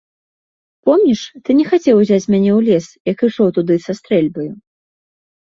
Помніш, ты не хацеў узяць мяне ў лес, як ішоў туды са стрэльбаю.